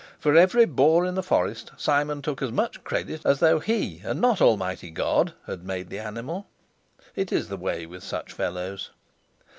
For every boar in the forest Simon took as much credit as though he, and not Almighty God, had made the animal. It is the way with such fellows.